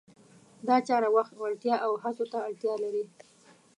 دا چاره وخت، وړتیا او هڅو ته اړتیا لري.